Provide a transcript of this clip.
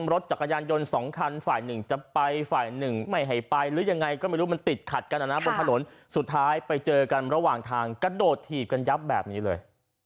รถจักรยานยนต์สองคันฝ่ายหนึ่งจะไปฝ่ายหนึ่งไม่ให้ไปหรือยังไงก็ไม่รู้มันติดขัดกันนะบนถนนสุดท้ายไปเจอกันระหว่างทางกระโดดถีบกันยับแบบนี้เลย